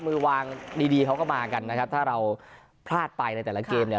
มือวางดีดีเขาก็มากันนะครับถ้าเราพลาดไปในแต่ละเกมเนี่ย